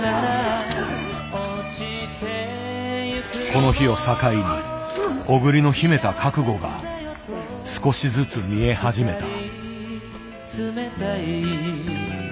この日を境に小栗の秘めた覚悟が少しずつ見え始めた。